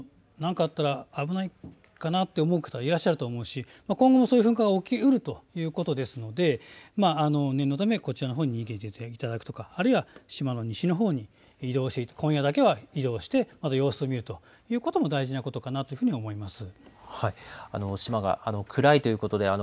ただ、当然、有村、古里の方は当然昔からよくご存じの方が多いと思うんですけれども、地元の方は。何かあったら危ないかなって思う方、いらっしゃると思うし、今後もそういう噴火が起き得るということですので念のため、こちらのほうに逃げていただくとか、あるいは島の西のほうに移動していただく今夜だけは移動して様子どう見るということも大事なことかなというふうに思います。